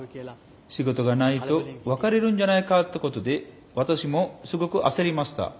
仕事がないと別れるんじゃないかってことで私もすごく焦りました。